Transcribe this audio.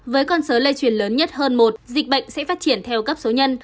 với con số lây truyền lớn nhất hơn một dịch bệnh sẽ phát triển theo cấp số nhân